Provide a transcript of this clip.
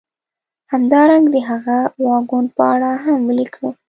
همدارنګه د هغه واګون په اړه هم ولیکه